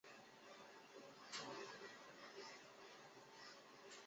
它们的身体粗度中等。